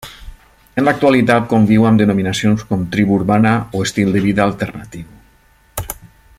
En l'actualitat conviu amb denominacions com tribu urbana o estil de vida alternatiu.